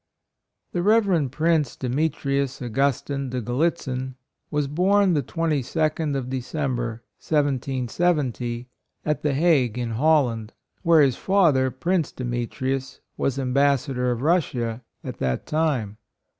HE Rev. Prince Deme trius Augustine De Gallitzin was born the 22d of December, 1770, at the Hague in Holland? where his father, Prince Demetrius, was Ambassador of Russia at that time.